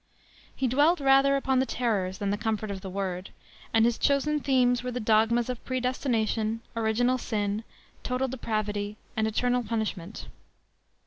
He dwelt rather upon the terrors than the comfort of the word, and his chosen themes were the dogmas of predestination, original sin, total depravity, and eternal punishment.